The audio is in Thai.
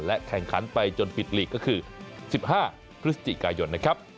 แข่งขันไปจนปิดลีกก็คือ๑๕พฤศจิกายนนะครับ